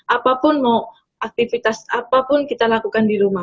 apapun mau aktivitas apapun kita lakukan di rumah